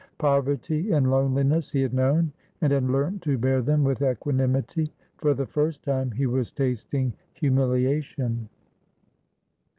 Poverty and loneliness he had known, and had learnt to bear them with equanimity; for the first time he was tasting humiliation.